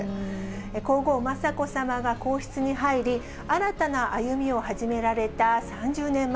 皇后雅子さまが皇室に入り、新たな歩みを始められた３０年前。